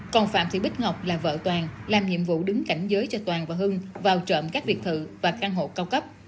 còn phạm thị bích ngọc là vợ toàn làm nhiệm vụ đứng cảnh giới cho toàn và hưng vào trộm các biệt thự và căn hộ cao cấp